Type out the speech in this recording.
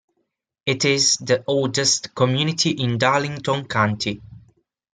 It is the oldest community in Darlington County.